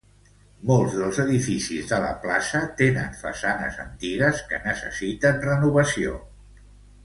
Molts dels edificis de la plaça tenen façanes antigues que necessiten renovació.